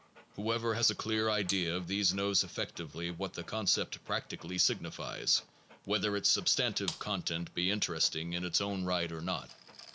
Whoever has a clear idea of these knows effectively what the concept practically signi fies, whether its substantive content be inter esting in its own right or not.